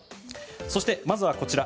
そして、まずはこちら。